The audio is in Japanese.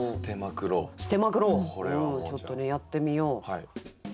ちょっとねやってみよう。